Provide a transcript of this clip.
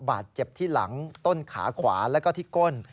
บาดเจ็บที่หลังต้นขาขวาแล้วก็ที่ก้น